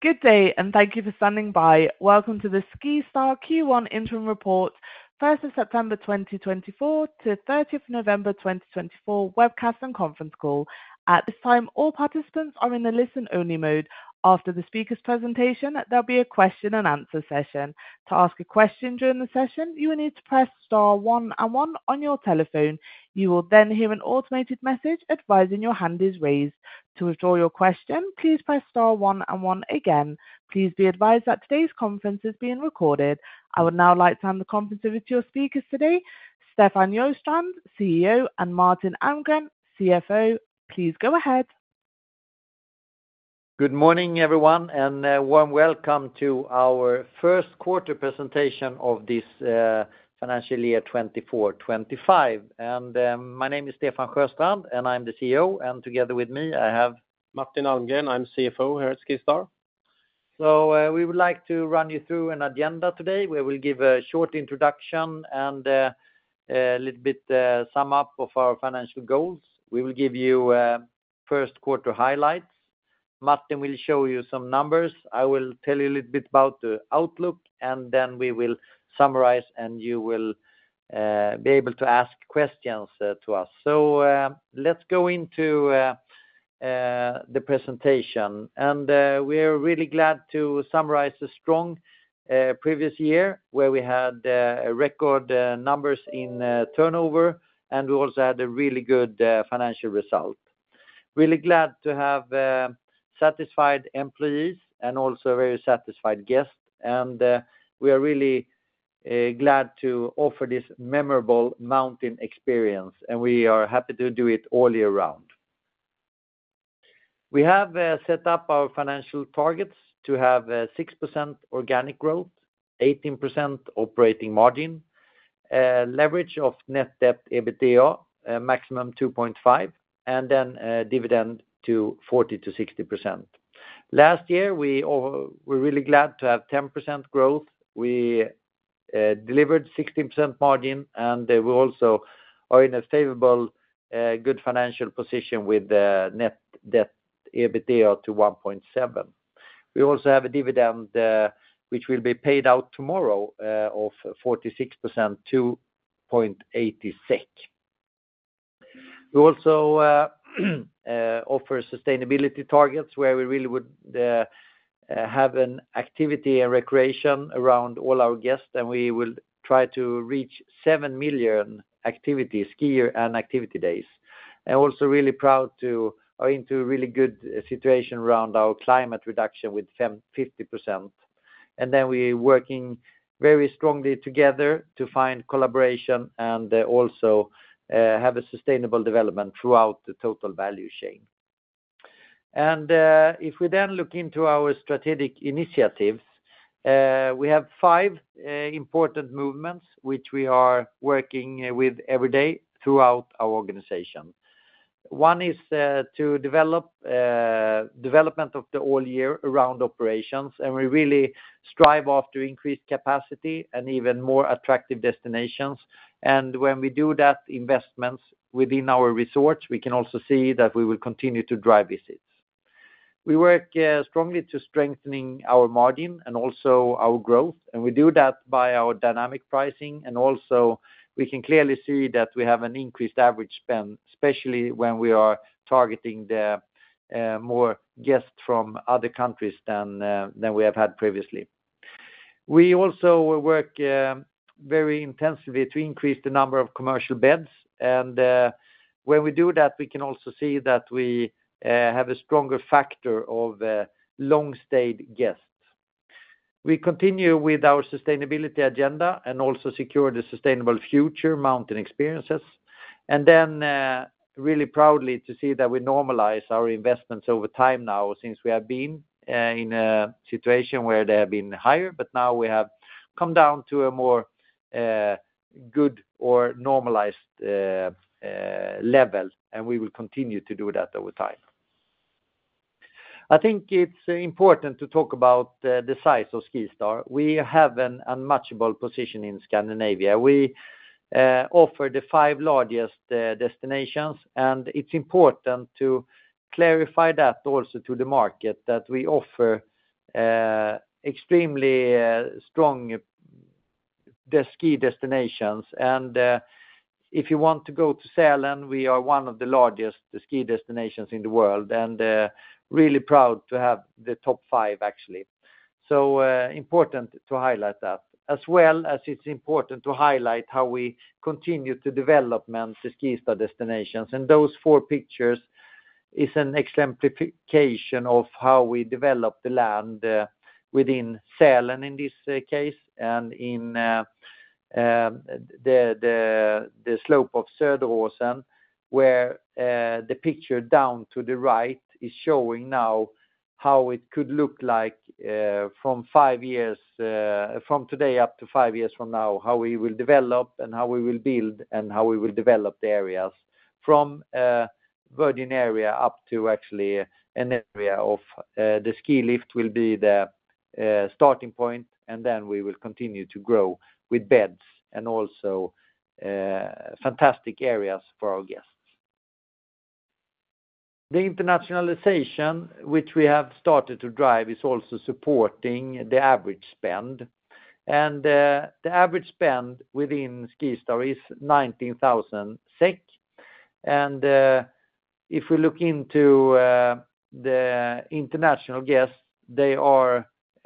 Good day, and thank you for standing by. Welcome to the SkiStar Q1 Interim Report, 1st of September 2024 to 30th of November 2024, webcast and conference call. At this time, all participants are in the listen-only mode. After the speaker's presentation, there'll be a question-and-answer session. To ask a question during the session, you will need to press star one and one on your telephone. You will then hear an automated message advising your hand is raised. To withdraw your question, please press star one and one again. Please be advised that today's conference is being recorded. I would now like to hand the conference over to your speakers today, Stefan Sjöstrand, CEO, and Martin Almgren, CFO. Please go ahead. Good morning, everyone, and a warm welcome to our first quarter presentation of this financial year 24/25. And my name is Stefan Sjöstrand, and I'm the CEO. And together with me, I have Martin Almgren. I'm CFO here at SkiStar. So we would like to run you through an agenda today. We will give a short introduction and a little bit of a sum-up of our financial goals. We will give you first quarter highlights. Martin will show you some numbers. I will tell you a little bit about the outlook, and then we will summarize, and you will be able to ask questions to us. So let's go into the presentation. And we're really glad to summarize the strong previous year, where we had record numbers in turnover, and we also had a really good financial result. Really glad to have satisfied employees and also a very satisfied guest. We are really glad to offer this memorable mountain experience, and we are happy to do it all year round. We have set up our financial targets to have 6% organic growth, 18% operating margin, leverage of net debt/EBITDA maximum 2.5, and then dividend of 40%-60%. Last year, we were really glad to have 10% growth. We delivered 16% margin, and we also are in a favorable, good financial position with net debt/EBITDA of 1.7. We also have a dividend, which will be paid out tomorrow, of 46%, 2.86 SEK. We also offer sustainability targets, where we really would have an activity and recreation around all our guests, and we will try to reach 7 million activity skier and activity days. We are really proud to be into a really good situation around our climate reduction with 50%. We are working very strongly together to find collaboration and also have a sustainable development throughout the total value chain. If we then look into our strategic initiatives, we have five important movements, which we are working with every day throughout our organization. One is to develop the development of the all-year-round operations, and we really strive after increased capacity and even more attractive destinations. When we do that investments within our resorts, we can also see that we will continue to drive visits. We work strongly to strengthening our margin and also our growth, and we do that by our dynamic pricing. Also we can clearly see that we have an increased average spend, especially when we are targeting more guests from other countries than we have had previously. We also work very intensively to increase the number of commercial beds. And when we do that, we can also see that we have a stronger factor of long-stayed guests. We continue with our sustainability agenda and also secure the sustainable future mountain experiences. And then really proudly to see that we normalize our investments over time now, since we have been in a situation where they have been higher, but now we have come down to a more good or normalized level, and we will continue to do that over time. I think it's important to talk about the size of SkiStar. We have an unmatchable position in Scandinavia. We offer the five largest destinations, and it's important to clarify that also to the market that we offer extremely strong ski destinations. And if you want to go to Sälen, we are one of the largest ski destinations in the world and really proud to have the top five, actually. So, is important to highlight that, as well as it is important to highlight how we continue to develop the SkiStar destinations. Those four pictures are an exemplification of how we develop the land within Sälen in this case and in the slope of Söderåsen, where the picture down to the right is showing now how it could look like from five years from today up to five years from now, how we will develop and how we will build and how we will develop the areas from virgin area up to actually an area of the ski lift will be the starting point, and then we will continue to grow with beds and also fantastic areas for our guests. The internationalization, which we have started to drive, is also supporting the average spend. The average spend within SkiStar is 19,000 SEK. And if we look into the international guests, they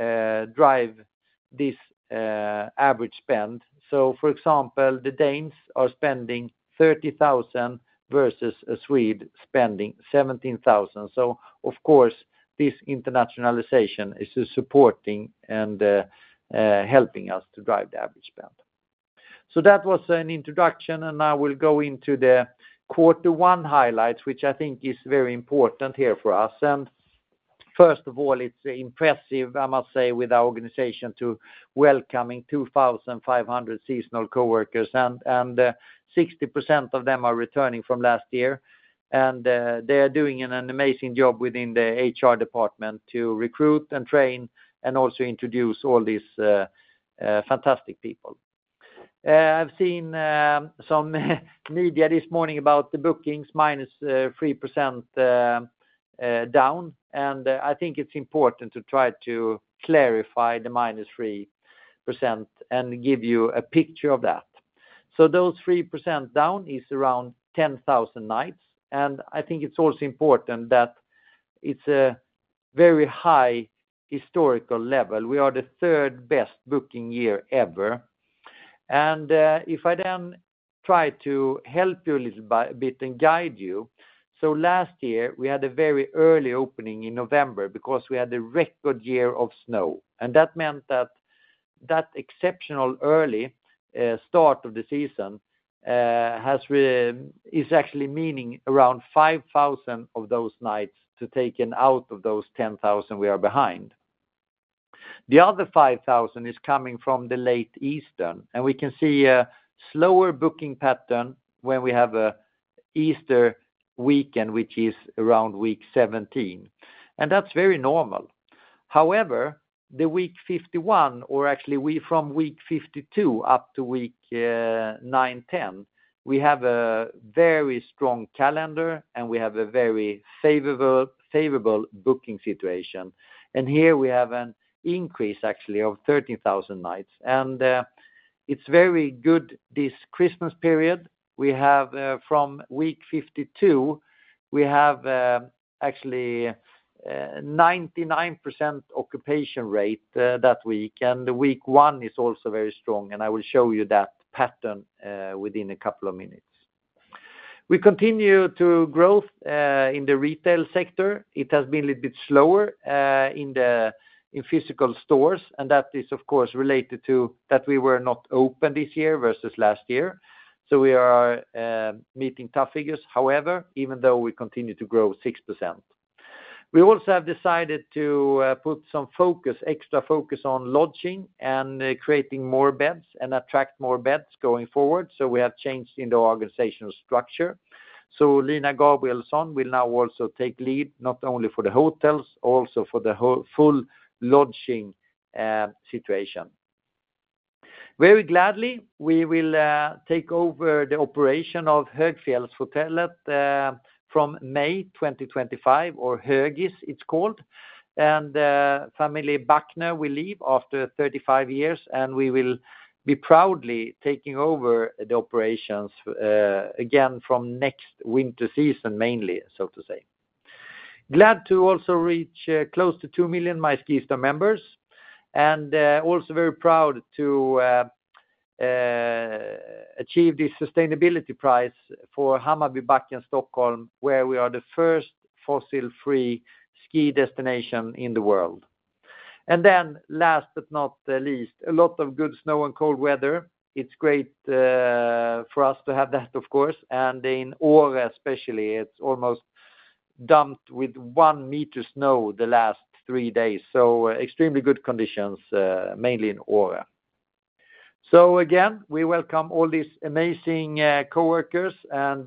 are driving this average spend. For example, the Danes are spending 30,000 versus a Swede spending 17,000. Of course, this internationalization is supporting and helping us to drive the average spend. That was an introduction, and I will go into the quarter one highlights, which I think is very important here for us. First of all, it's impressive, I must say, with our organization in welcoming 2,500 seasonal coworkers, and 60% of them are returning from last year. They are doing an amazing job within the HR department to recruit and train and also introduce all these fantastic people. I've seen some media this morning about the bookings minus 3% down, and I think it's important to try to clarify the minus 3% and give you a picture of that. Those 3% down is around 10,000 nights, and I think it's also important that it's a very high historical level. We are the third best booking year ever. If I then try to help you a little bit and guide you, last year we had a very early opening in November because we had a record year of snow, and that meant that that exceptional early start of the season has actually meant around 5,000 of those nights to take out of those 10,000 we are behind. The other 5,000 is coming from the late Easter, and we can see a slower booking pattern when we have an Easter weekend, which is around week 17, and that's very normal. However, the week 51, or actually from week 52 up to week 9-10, we have a very strong calendar, and we have a very favorable booking situation, and here we have an increase actually of 13,000 nights, and it's very good this Christmas period. We have from week 52, we have actually 99% occupancy rate that week, and the week one is also very strong, and I will show you that pattern within a couple of minutes. We continue to grow in the retail sector. It has been a little bit slower in the physical stores, and that is of course related to that we were not open this year versus last year, so we are meeting tough figures. However, even though we continue to grow 6%, we also have decided to put some focus, extra focus on lodging and creating more beds and attract more beds going forward. We have changed in the organizational structure. Lina Gabrielson will now also take lead not only for the hotels, also for the full lodging situation. Very gladly, we will take over the operation of Högfjällshotellet from May 2025, or Högis it's called, and Bürchner family will leave after 35 years, and we will be proudly taking over the operations again from next winter season, mainly, so to say. Glad to also reach close to two million MySkiStar members, and also very proud to achieve the sustainability prize for Hammarbybacken, Stockholm, where we are the first fossil-free ski destination in the world. Then last but not least, a lot of good snow and cold weather. It's great for us to have that, of course. In Åre especially, it's almost dumped with one meter snow the last three days. Extremely good conditions, mainly in Åre. So again, we welcome all these amazing coworkers and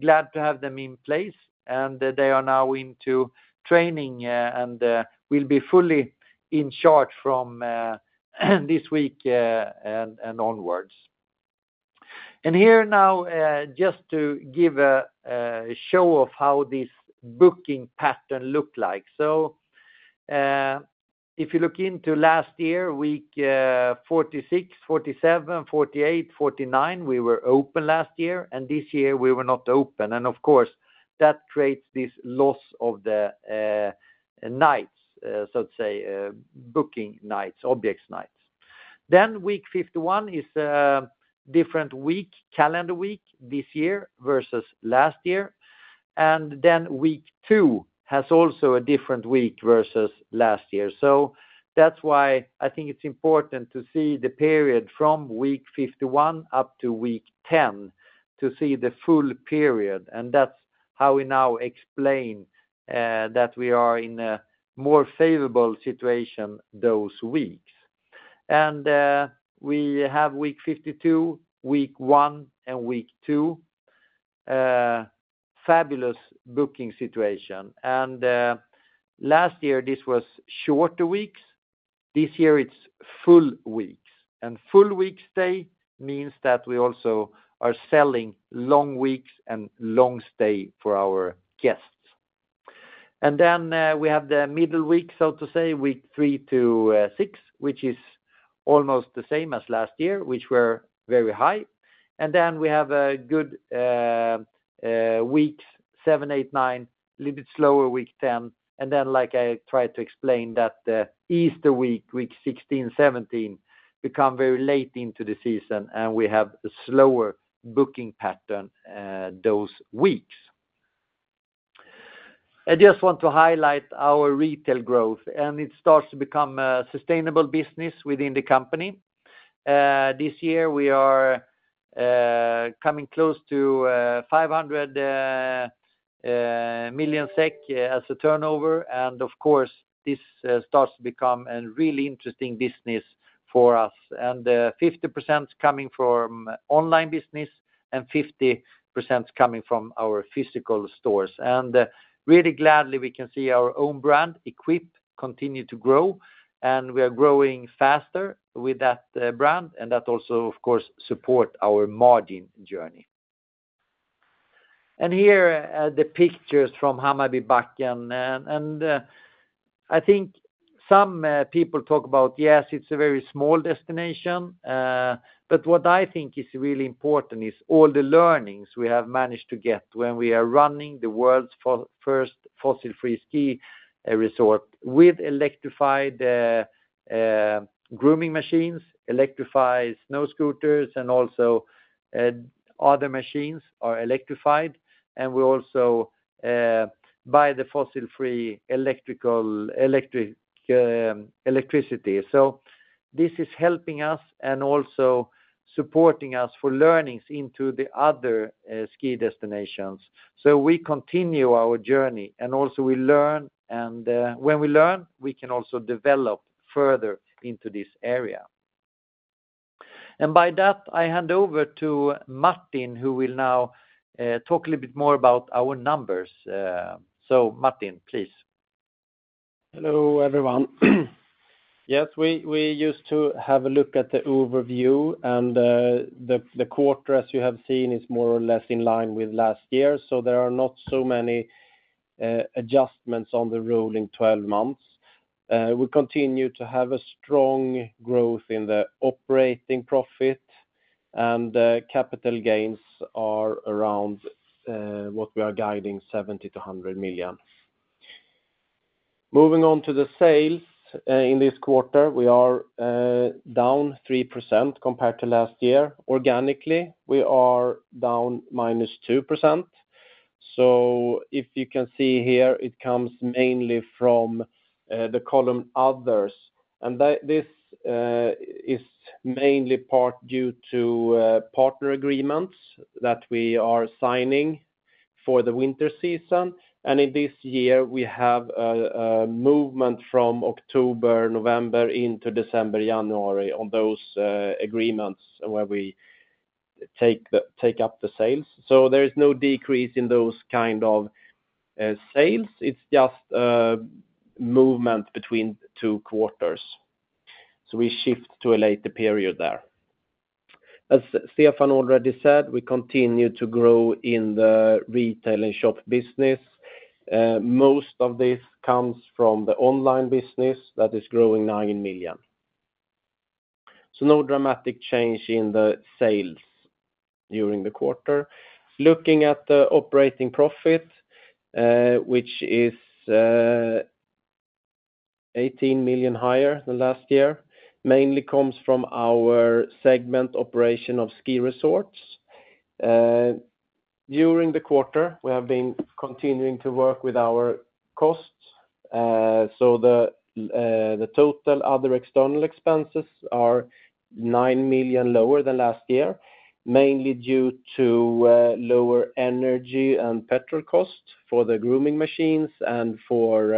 glad to have them in place, and they are now into training and will be fully in charge from this week and onwards, and here now, just to give a show of how this booking pattern looked like, so if you look into last year, week 46, 47, 48, 49, we were open last year, and this year we were not open, and of course, that creates this loss of the nights, so to say, booking nights, objects nights, then week 51 is a different week, calendar week this year versus last year, and then week two has also a different week versus last year, so that's why I think it's important to see the period from week 51 up to week 10 to see the full period. That's how we now explain that we are in a more favorable situation those weeks. We have week 52, week one, and week two, fabulous booking situation. Last year this was shorter weeks. This year it's full weeks. Full week stay means that we also are selling long weeks and long stay for our guests. Then we have the middle week, so to say, week three to six, which is almost the same as last year, which were very high. Then we have a good week seven, eight, nine, a little bit slower week 10. Then, like I tried to explain, the Easter week, week 16, 17, become very late into the season, and we have a slower booking pattern those weeks. I just want to highlight our retail growth, and it starts to become a sustainable business within the company. This year we are coming close to 500 million SEK as a turnover. And of course, this starts to become a really interesting business for us. And 50% coming from online business and 50% coming from our physical stores. And really gladly we can see our own brand EQPE continue to grow, and we are growing faster with that brand, and that also, of course, supports our margin journey. And here are the pictures from Hammarbybacken. And I think some people talk about, yes, it's a very small destination, but what I think is really important is all the learnings we have managed to get when we are running the world's first fossil-free ski resort with electrified grooming machines, electrified snow scooters, and also other machines are electrified. And we also buy the fossil-free electricity. This is helping us and also supporting us for learnings into the other ski destinations. So we continue our journey and also we learn, and when we learn, we can also develop further into this area. And by that, I hand over to Martin, who will now talk a little bit more about our numbers. So Martin, please. Hello everyone. Yes, we used to have a look at the overview, and the quarter, as you have seen, is more or less in line with last year. So there are not so many adjustments on the rolling 12 months. We continue to have a strong growth in the operating profit, and capital gains are around what we are guiding, 70-100 million. Moving on to the sales in this quarter, we are down 3% compared to last year. Organically, we are down minus 2%. If you can see here, it comes mainly from the column others. This is mainly part due to partner agreements that we are signing for the winter season. In this year, we have a movement from October, November into December, January on those agreements where we take up the sales. There is no decrease in those kind of sales. It's just movement between two quarters. We shift to a later period there. As Stefan already said, we continue to grow in the retail and shop business. Most of this comes from the online business that is growing 9 million. No dramatic change in the sales during the quarter. Looking at the operating profit, which is 18 million higher than last year, mainly comes from our segment operation of ski resorts. During the quarter, we have been continuing to work with our costs. So the total other external expenses are nine million lower than last year, mainly due to lower energy and petrol costs for the grooming machines and for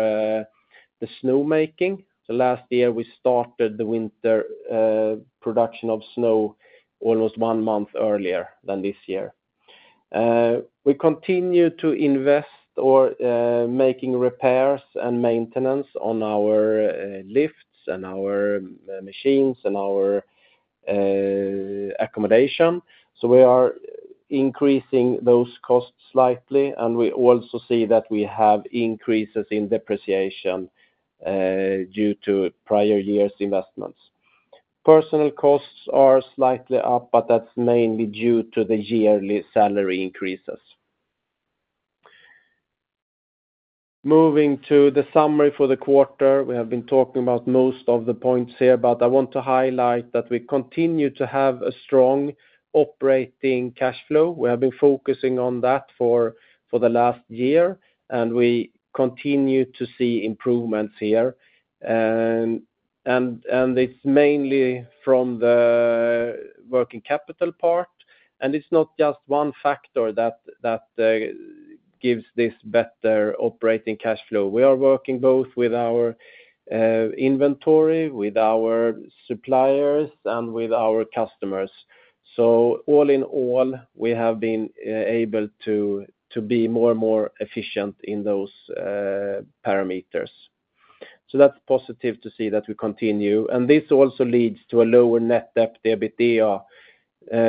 the snow making. So last year, we started the winter production of snow almost one month earlier than this year. We continue to invest or making repairs and maintenance on our lifts and our machines and our accommodation. So we are increasing those costs slightly, and we also see that we have increases in depreciation due to prior year's investments. Personnel costs are slightly up, but that's mainly due to the yearly salary increases. Moving to the summary for the quarter, we have been talking about most of the points here, but I want to highlight that we continue to have a strong operating cash flow. We have been focusing on that for the last year, and we continue to see improvements here. It's mainly from the working capital part, and it's not just one factor that gives this better operating cash flow. We are working both with our inventory, with our suppliers, and with our customers. All in all, we have been able to be more and more efficient in those parameters. That's positive to see that we continue. This also leads to a lower net debt/EBITDA.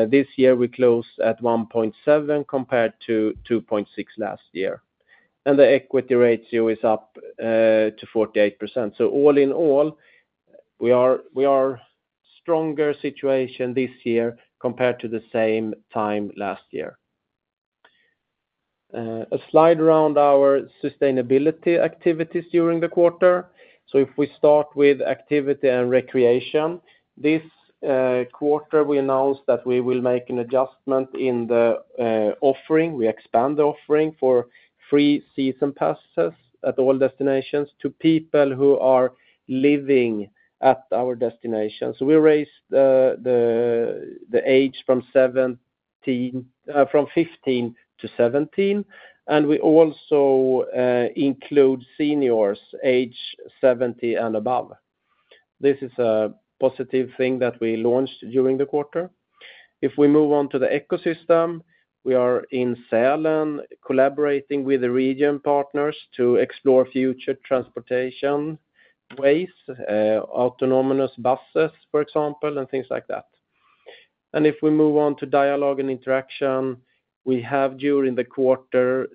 This year, we closed at 1.7 compared to 2.6 last year. The equity ratio is up to 48%. All in all, we are in a stronger situation this year compared to the same time last year. A slide around our sustainability activities during the quarter. If we start with activity and recreation, this quarter, we announced that we will make an adjustment in the offering. We expand the offering for free season passes at all destinations to people who are living at our destination. So we raised the age from 15 years to 17 years, and we also include seniors age 70 years and above. This is a positive thing that we launched during the quarter. If we move on to the ecosystem, we are in Sälen collaborating with the region partners to explore future transportation ways, autonomous buses, for example, and things like that. And if we move on to dialogue and interaction, we have during the quarter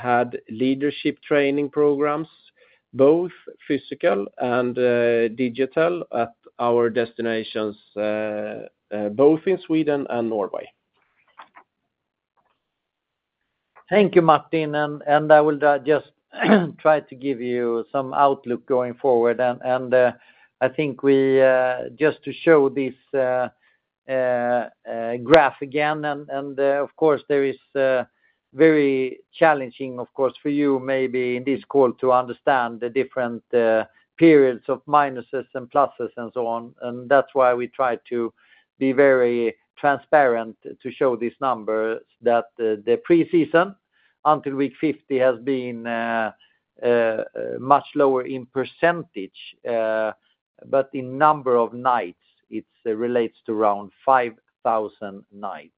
had leadership training programs, both physical and digital, at our destinations, both in Sweden and Norway. Thank you, Martin. And I will just try to give you some outlook going forward. And I think we just to show this graph again. And of course, there is very challenging, of course, for you maybe in this call to understand the different periods of minuses and pluses and so on. And that's why we try to be very transparent to show this number that the preseason until week 50 has been much lower in percentage, but in number of nights, it relates to around 5,000 nights.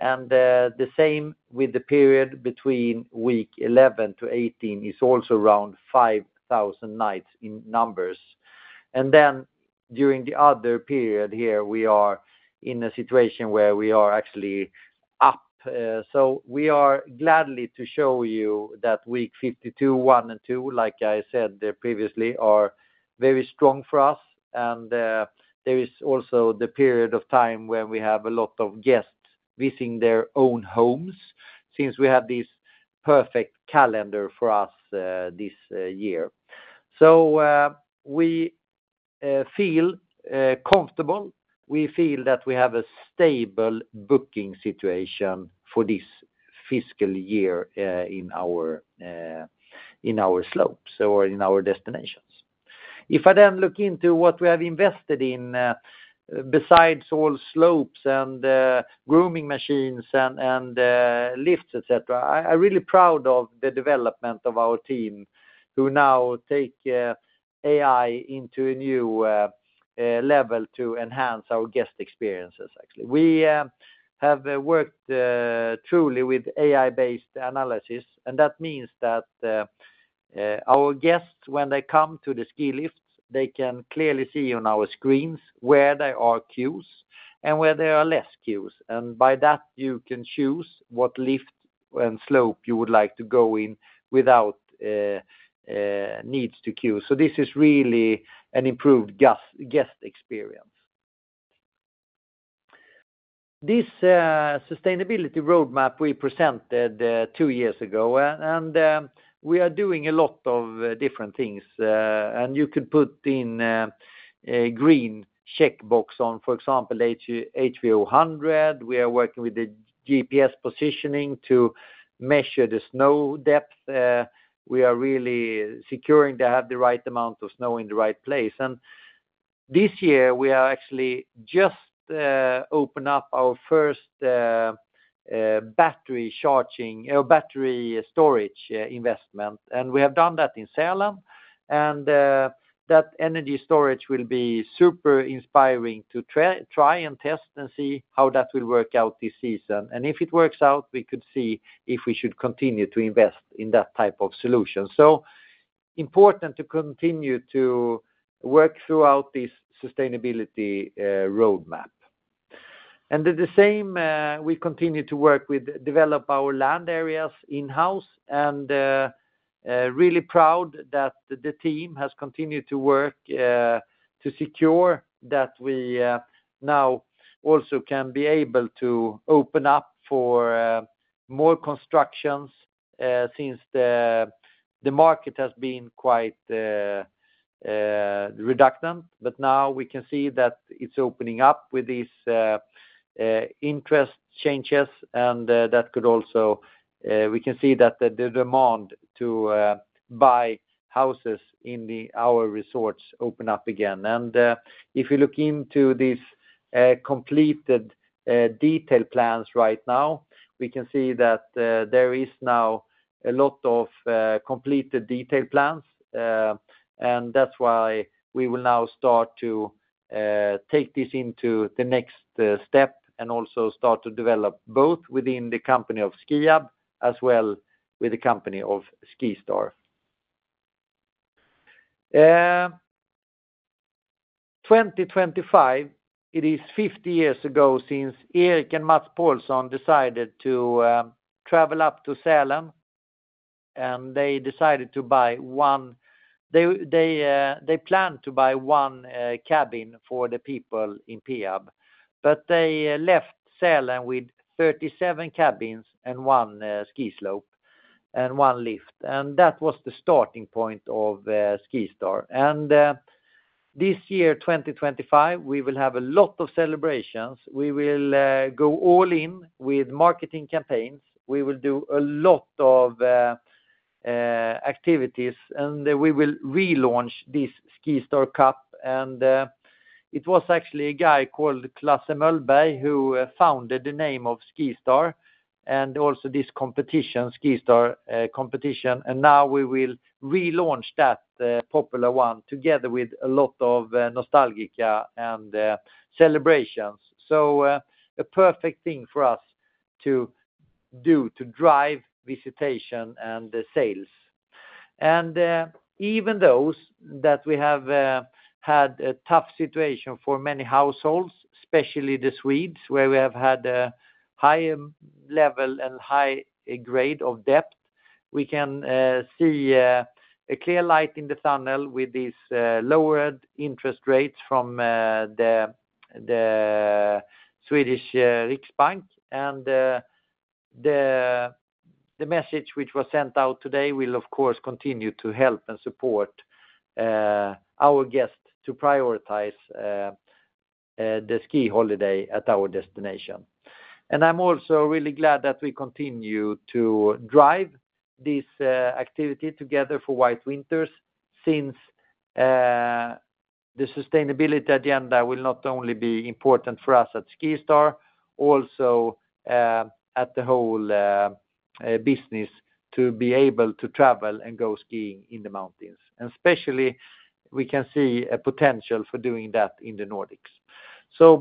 And the same with the period between week 11 to week 18 is also around 5,000 nights in numbers. And then during the other period here, we are in a situation where we are actually up. So we are glad to show you that week 52, 1, and 2, like I said previously, are very strong for us. There is also the period of time when we have a lot of guests visiting their own homes since we had this perfect calendar for us this year. We feel comfortable. We feel that we have a stable booking situation for this fiscal year in our slopes or in our destinations. If I then look into what we have invested in besides all slopes and grooming machines and lifts, etc., I'm really proud of the development of our team who now take AI into a new level to enhance our guest experiences, actually. We have worked truly with AI-based analysis, and that means that our guests, when they come to the ski lifts, they can clearly see on our screens where there are queues and where there are less queues. By that, you can choose what lift and slope you would like to go in without needing to queue. So this is really an improved guest experience. This sustainability roadmap we presented two years ago, and we are doing a lot of different things. You could put in a green checkbox on, for example, HVO100. We are working with the GPS positioning to measure the snow depth. We are really securing to have the right amount of snow in the right place. This year, we are actually just opening up our first battery storage investment. We have done that in Sälen. That energy storage will be super inspiring to try and test and see how that will work out this season. If it works out, we could see if we should continue to invest in that type of solution. Important to continue to work throughout this sustainability roadmap. The same, we continue to work with develop our land areas in-house. Really proud that the team has continued to work to secure that we now also can be able to open up for more constructions since the market has been quite redundant. Now we can see that it's opening up with these interest changes, and that could also we can see that the demand to buy houses in our resorts open up again. If you look into these completed detailed plans right now, we can see that there is now a lot of completed detailed plans. That's why we will now start to take this into the next step and also start to develop both within the company of Skiab as well with the company of SkiStar. 2025, it is 50 years ago since Erik and Mats Paulsson decided to travel up to Sälen, and they planned to buy one cabin for the people in Peab, but they left Sälen with 37 cabins and one ski slope and one lift. That was the starting point of SkiStar. This year, 2025, we will have a lot of celebrations. We will go all in with marketing campaigns. We will do a lot of activities, and we will relaunch this SkiStar Cup. It was actually a guy called Klasse Möllberg who founded the name of SkiStar and also this competition, SkiStar competition. Now we will relaunch that popular one together with a lot of nostalgia and celebrations, so a perfect thing for us to do to drive visitation and sales. Even those that we have had a tough situation for many households, especially the Swedes, where we have had a high level and high grade of debt. We can see a clear light in the tunnel with these lowered interest rates from the Swedish Riksbank. The message which was sent out today will, of course, continue to help and support our guests to prioritize the ski holiday at our destination. I'm also really glad that we continue to drive this activity together for White Winters since the sustainability agenda will not only be important for us at SkiStar, also at the whole business to be able to travel and go skiing in the mountains. Especially, we can see a potential for doing that in the Nordics.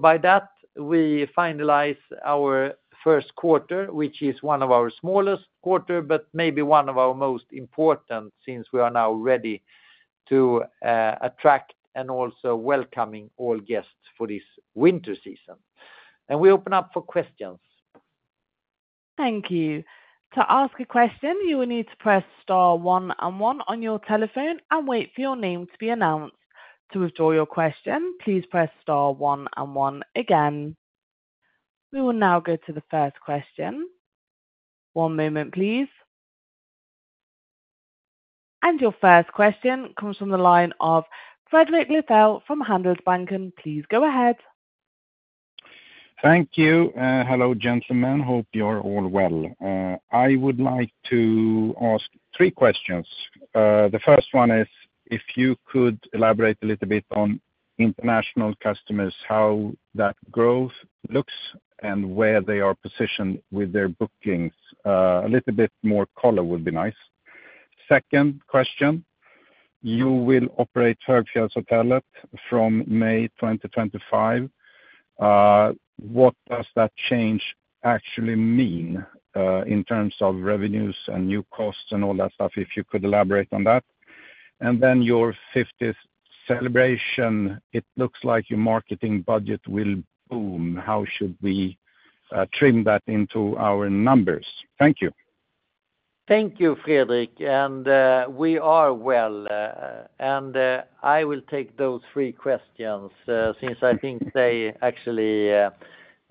By that, we finalize our first quarter, which is one of our smallest quarters, but maybe one of our most important since we are now ready to attract and also welcome all guests for this winter season. We open up for questions. Thank you. To ask a question, you will need to press star one and one on your telephone and wait for your name to be announced. To withdraw your question, please press star one and one again. We will now go to the first question. One moment, please, and your first question comes from the line of Fredrik Lithell from Handelsbanken. Please go ahead. Thank you. Hello, gentlemen. Hope you are all well. I would like to ask three questions. The first one is if you could elaborate a little bit on international customers, how that growth looks and where they are positioned with their bookings. A little bit more color would be nice. Second question, you will operate Högfjällshotellet from May 2025. What does that change actually mean in terms of revenues and new costs and all that stuff? If you could elaborate on that. And then your 50th celebration, it looks like your marketing budget will boom. How should we trim that into our numbers? Thank you. Thank you, Fredrik. And we are well. And I will take those three questions since I think they actually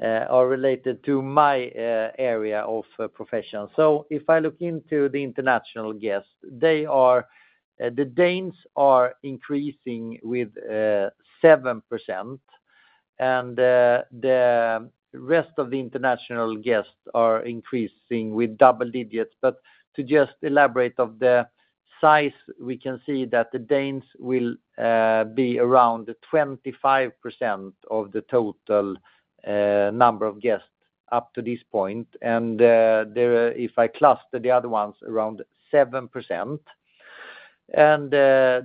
are related to my area of profession. So if I look into the international guests, the Danes are increasing with 7%, and the rest of the international guests are increasing with double digits. But to just elaborate on the size, we can see that the Danes will be around 25% of the total number of guests up to this point. And if I cluster the other ones, around 7%. And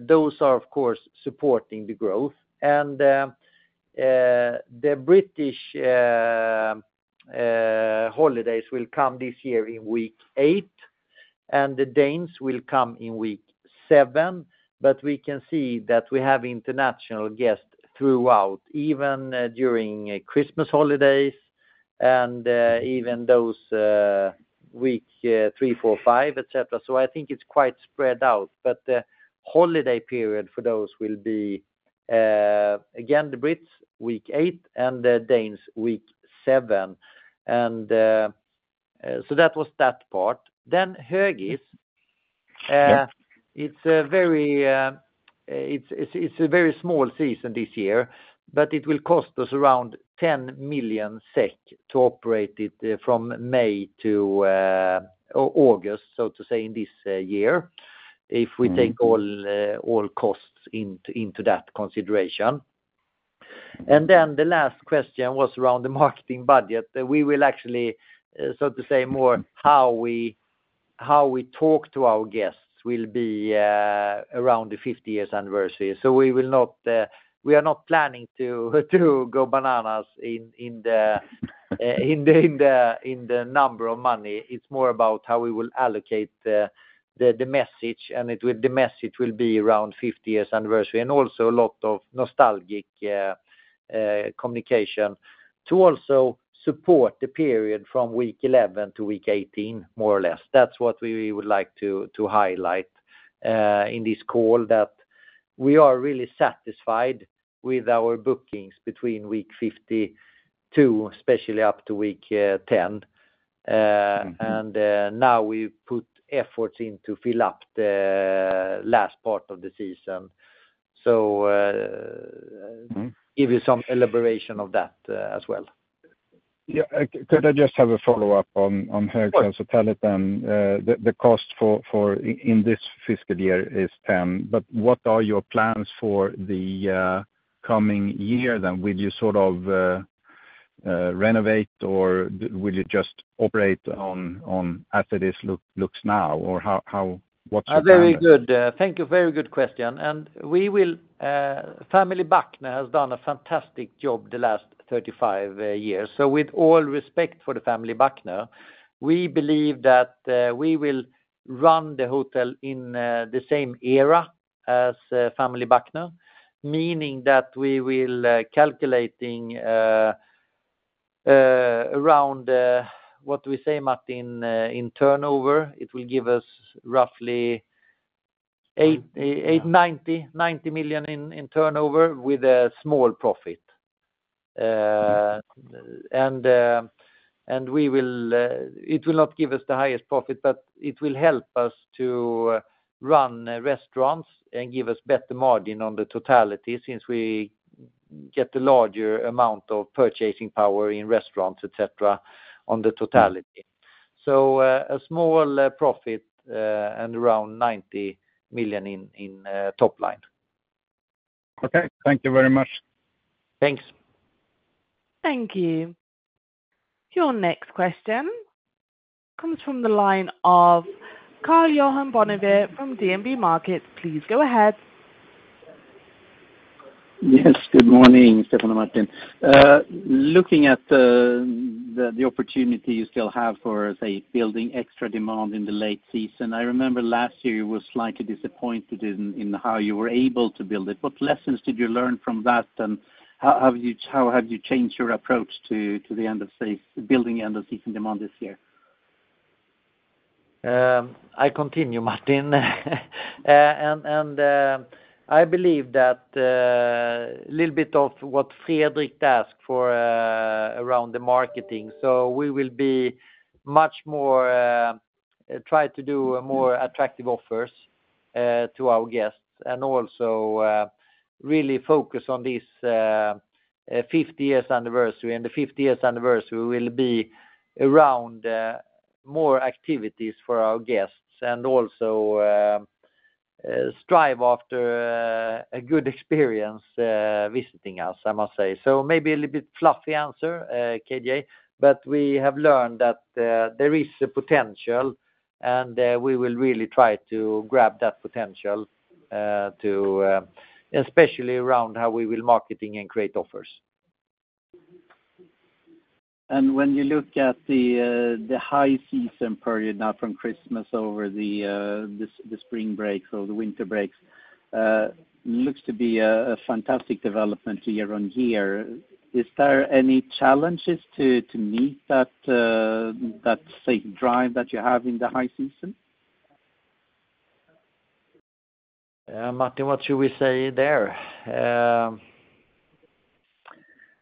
those are, of course, supporting the growth. And the British holidays will come this year in week 8, and the Danes will come in week 7. But we can see that we have international guests throughout, even during Christmas holidays and even those week 3, 4, 5, etc. So I think it's quite spread out. But the holiday period for those will be, again, the Brits, week 8, and the Danes, week 7. And so that was that part. Then Högis. It's a very small season this year, but it will cost us around 10 million SEK to operate it from May to August, so to say, in this year, if we take all costs into that consideration. And then the last question was around the marketing budget. We will actually, so to say, more how we talk to our guests will be around the 50 years anniversary. So we are not planning to go bananas in the number of money. It's more about how we will allocate the message. And the message will be around 50 years anniversary and also a lot of nostalgic communication to also support the period from week 11 to week 18, more or less. That's what we would like to highlight in this call, that we are really satisfied with our bookings between week 52, especially up to week 10. And now we put efforts into fill up the last part of the season. So give you some elaboration of that as well. Yeah. Could I just have a follow-up on Högis Hotel then? The cost in this fiscal year is 10. But what are your plans for the coming year then? Will you sort of renovate or will you just operate on as it looks now? Or what's your plan? Very good. Thank you. Very good question. The Bürchner family has done a fantastic job the last 35 years. With all respect for the Bürchner family, we believe that we will run the hotel in the same way as the Bürchner family, meaning that we will be calculating around what we say, Martin, in turnover. It will give us roughly 90 million in turnover with a small profit. It will not give us the highest profit, but it will help us to run restaurants and give us better margin on the totality since we get a larger amount of purchasing power in restaurants, etc., on the totality. A small profit and around 90 million in top line. Okay. Thank you very much. Thanks. Thank you. Your next question comes from the line of Karl Johan Bonnevier from DNB Markets. Please go ahead. Yes. Good morning, Stefan and Martin. Looking at the opportunity you still have for, say, building extra demand in the late season, I remember last year you were slightly disappointed in how you were able to build it. What lessons did you learn from that? And how have you changed your approach to the end of building end-of-season demand this year? I continue, Martin. And I believe that a little bit of what Fredrik asked for around the marketing. So we will be much more try to do more attractive offers to our guests and also really focus on this 50 years anniversary. And the 50 years anniversary will be around more activities for our guests and also strive after a good experience visiting us, I must say. So maybe a little bit fluffy answer, KJ, but we have learned that there is a potential, and we will really try to grab that potential, especially around how we will market and create offers. When you look at the high season period now from Christmas over the spring break or the winter break, it looks to be a fantastic development year on year. Is there any challenges to meet that, say, drive that you have in the high season? Martin, what should we say there?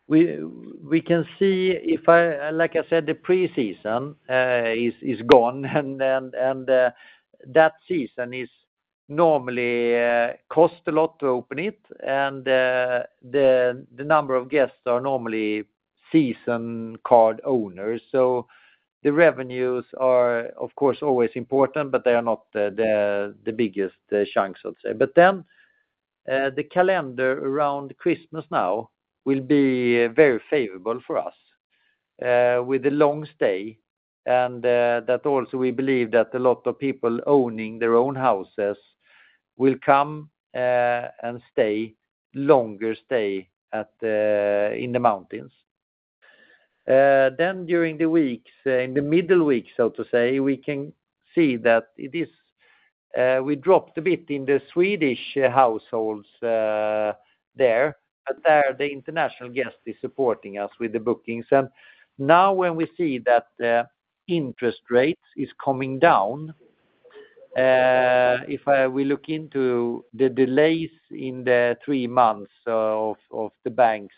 We can see, like I said, the pre-season is gone, and that season normally costs a lot to open it. And the number of guests are normally season card owners. So the revenues are, of course, always important, but they are not the biggest chunks, I'd say. But then the calendar around Christmas now will be very favorable for us with the long stay. And that also, we believe that a lot of people owning their own houses will come and stay longer in the mountains. Then during the weeks, in the middle weeks, so to say, we can see that we dropped a bit in the Swedish households there, but there the international guest is supporting us with the bookings. Now when we see that interest rate is coming down, if we look into the tailwinds in the three months of the bank's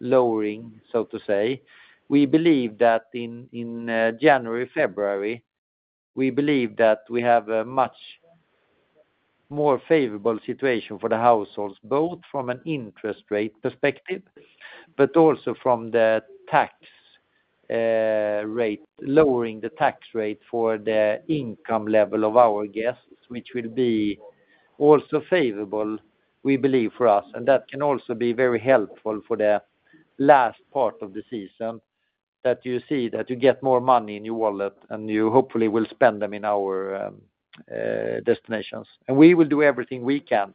lowering, so to speak, we believe that in January, February, we believe that we have a much more favorable situation for the households, both from an interest rate perspective, but also from the tax rate, lowering the tax rate for the income level of our guests, which will be also favorable, we believe, for us. That can also be very helpful for the last part of the season that you see that you get more money in your wallet and you hopefully will spend them in our destinations. We will do everything we can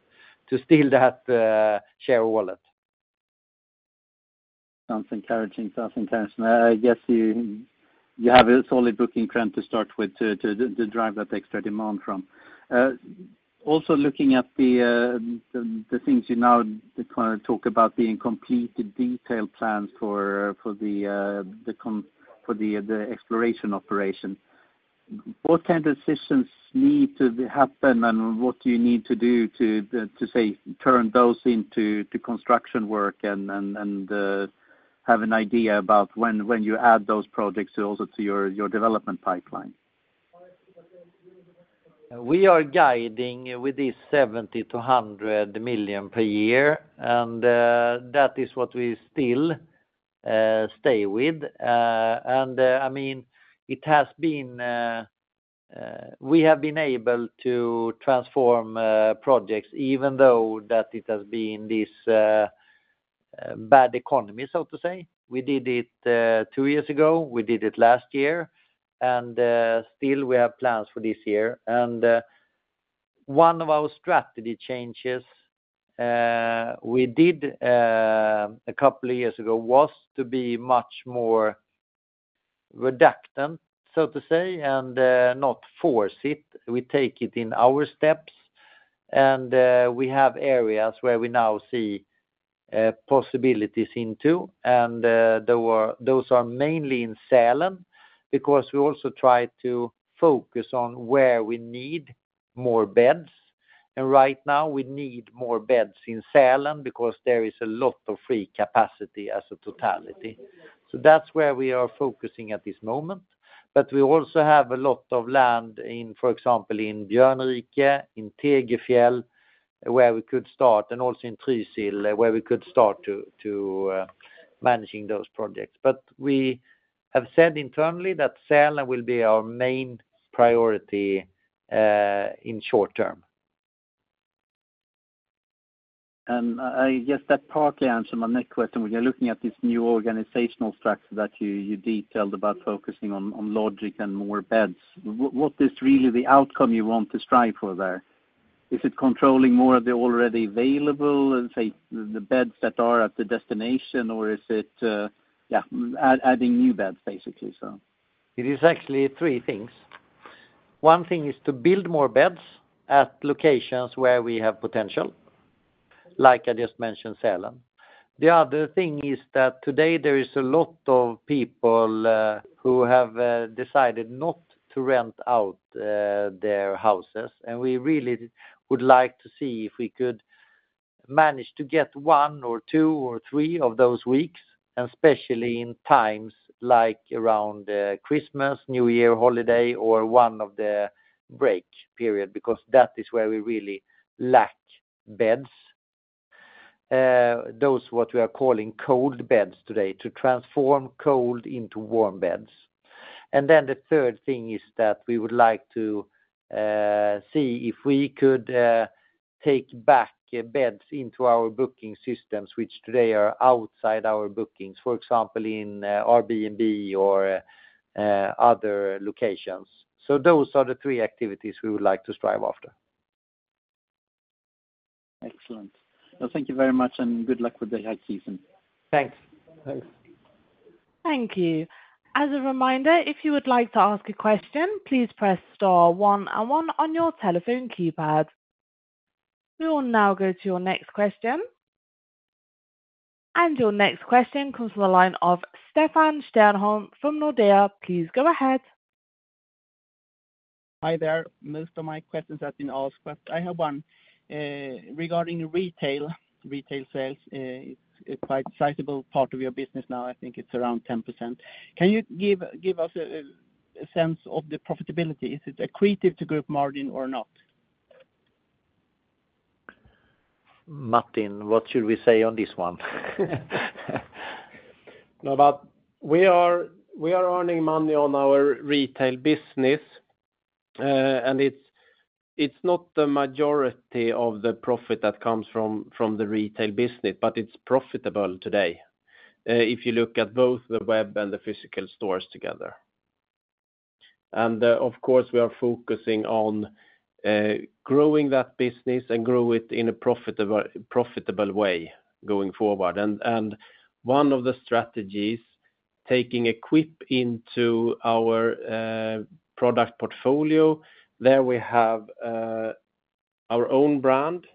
to steal that share of wallet. Sounds encouraging. Sounds encouraging. I guess you have a solid booking trend to start with to drive that extra demand from. Also, looking at the things you now talk about being complete detailed plans for the exploration operation, what kind of decisions need to happen and what do you need to do to, say, turn those into construction work and have an idea about when you add those projects also to your development pipeline? We are guiding with this 70 million-100 million per year, and that is what we still stay with, and I mean, it has been we have been able to transform projects even though that it has been this bad economy, so to say. We did it two years ago. We did it last year, and still, we have plans for this year, and one of our strategy changes we did a couple of years ago was to be much more redacted, so to say, and not force it. We take it in our steps, and we have areas where we now see possibilities into, and those are mainly in Sälen because we also try to focus on where we need more beds, and right now, we need more beds in Sälen because there is a lot of free capacity as a totality. So that's where we are focusing at this moment. But we also have a lot of land in, for example, in Björnrike, in Tegefjäll, where we could start, and also in Trysil where we could start to manage those projects. But we have said internally that Sälen will be our main priority in short term. I guess that partly answers my next question. When you're looking at this new organizational structure that you detailed about focusing on lodging and more beds, what is really the outcome you want to strive for there? Is it controlling more of the already available, say, the beds that are at the destination, or is it, yeah, adding new beds, basically? It is actually three things. One thing is to build more beds at locations where we have potential, like I just mentioned, Sälen. The other thing is that today there is a lot of people who have decided not to rent out their houses, and we really would like to see if we could manage to get one or two or three of those weeks, and especially in times like around Christmas, New Year holiday, or one of the break period, because that is where we really lack beds, those what we are calling cold beds today, to transform cold into warm beds, and then the third thing is that we would like to see if we could take back beds into our booking systems, which today are outside our bookings, for example, in Airbnb or other locations. So those are the three activities we would like to strive after. Excellent. Well, thank you very much and good luck with the high season. Thanks. Thanks. Thank you. As a reminder, if you would like to ask a question, please press star one and one on your telephone keypad. We will now go to your next question. And your next question comes from the line of Stefan Stjernholm from Nordea. Please go ahead. Hi there. Most of my questions have been asked, but I have one regarding retail. Retail sales is quite a sizable part of your business now. I think it's around 10%. Can you give us a sense of the profitability? Is it equated to group margin or not? Martin, what should we say on this one? We are earning money on our retail business, and it's not the majority of the profit that comes from the retail business, but it's profitable today if you look at both the web and the physical stores together. And of course, we are focusing on growing that business and grow it in a profitable way going forward. And one of the strategies, taking EQPE into our product portfolio, there we have our own brand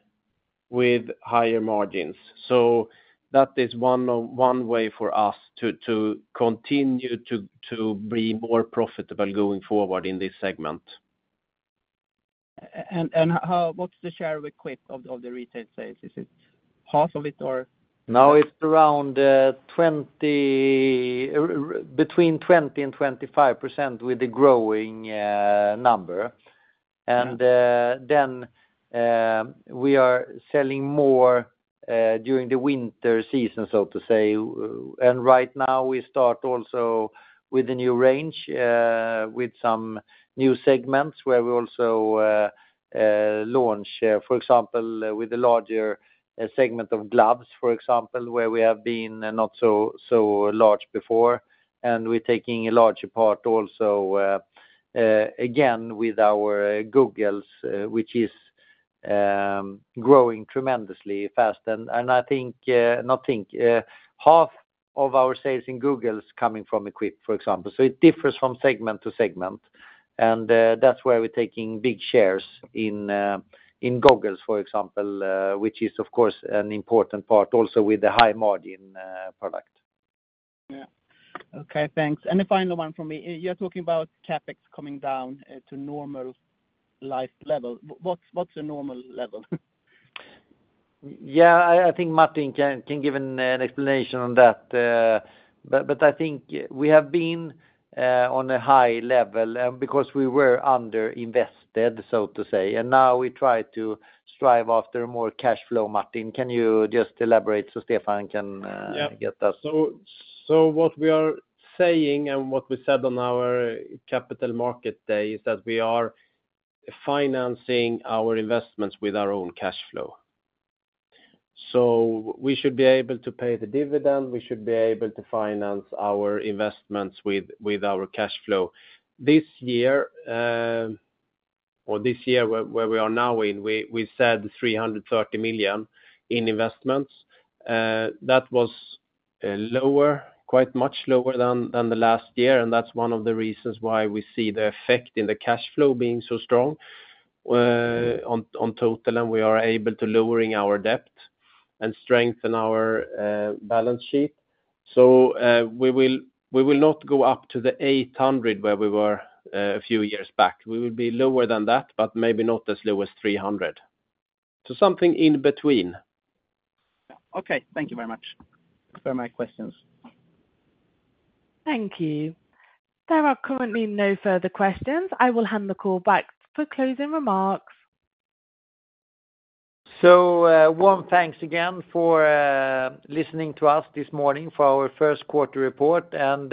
with higher margins. So that is one way for us to continue to be more profitable going forward in this segment. What's the share of the EQPE of the retail sales? Is it half of it or? Now it's around between 20%-25% with the growing number. And then we are selling more during the winter season, so to say. And right now, we start also with a new range with some new segments where we also launch, for example, with a larger segment of gloves, for example, where we have been not so large before. And we're taking a larger part also again with our goggles, which is growing tremendously fast. And I think, not think, half of our sales in goggles coming from EQPE, for example. So it differs from segment to segment. And that's where we're taking big shares in goggles, for example, which is, of course, an important part also with the high margin product. Yeah. Okay. Thanks. And the final one for me. You're talking about CapEx coming down to normal life level. What's the normal level? Yeah. I think Martin can give an explanation on that. But I think we have been on a high level because we were underinvested, so to say. And now we try to strive after more cash flow. Martin, can you just elaborate so Stefan can get us? Yeah. So what we are saying and what we said on our capital market day is that we are financing our investments with our own cash flow. So we should be able to pay the dividend. We should be able to finance our investments with our cash flow. This year, or this year where we are now in, we said 330 million in investments. That was lower, quite much lower than the last year. And that's one of the reasons why we see the effect in the cash flow being so strong on total. And we are able to lower our debt and strengthen our balance sheet. So we will not go up to the 800 million where we were a few years back. We will be lower than that, but maybe not as low as 300 million. So something in between. Okay. Thank you very much for my questions. Thank you. There are currently no further questions. I will hand the call back for closing remarks. So, warm thanks again for listening to us this morning for our first quarter report. And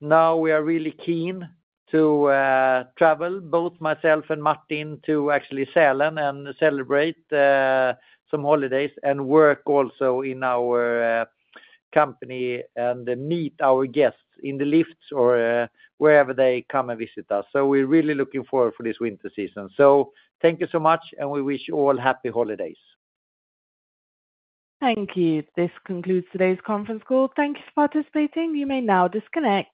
now we are really keen to travel, both myself and Martin, to actually Sälen and celebrate some holidays and work also in our company and meet our guests in the lifts or wherever they come and visit us. So, we're really looking forward for this winter season. So, thank you so much, and we wish you all happy holidays. Thank you. This concludes today's conference call. Thank you for participating. You may now disconnect.